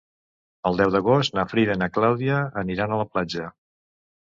El deu d'agost na Frida i na Clàudia aniran a la platja.